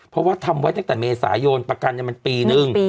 เพราะว่าทำไว้ตั้งแต่เมษายนประกันมันปีนึง